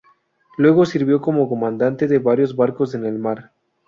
Luego sirvió como comandante de varios barcos en el mar.